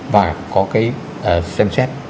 và có cái xem xét